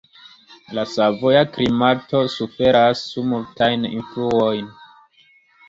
La savoja klimato suferas multajn influojn.